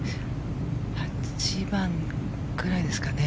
８番くらいですかね。